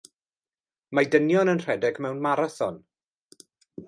Mae dynion yn rhedeg mewn marathon.